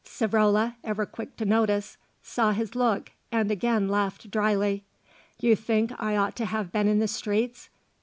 Savrola, ever quick to notice, saw his look and again laughed dryly. "You think I ought to have been in the streets?